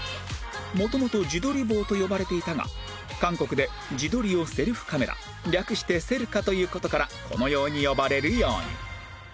元々「自撮り棒」と呼ばれていたが韓国で自撮りを「セルフカメラ」略して「セルカ」と言う事からこのように呼ばれるように